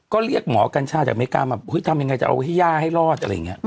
ก็เรียกหมอกัญชาจากเมริกามาทำยังไงจะเอาให้ย่าให้รอด